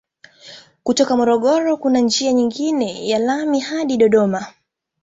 Kutoka Morogoro kuna njia nyingine ya lami hadi Dodoma.